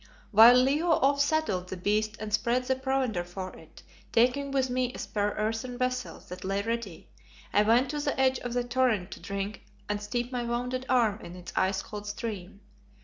While Leo off saddled the beast and spread the provender for it, taking with me a spare earthen vessel that lay ready, I went to the edge of the torrent to drink and steep my wounded arm in its ice cold stream.